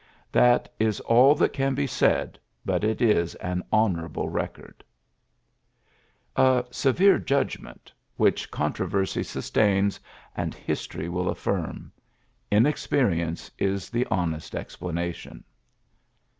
That is all that can be said, but it is an hon ourable record." A severe judgment^ I iiorary con 66 TJLTSSES S. GEANT which controversy sustains and history will a.ffirm. Inexperience is the honest explanation.